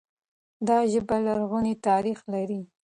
دا ژبه لرغونی تاريخ لري.